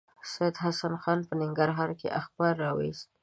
سید حسن خان په ننګرهار کې اخبار راوایست.